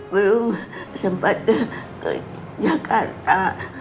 belum sempat ke jakarta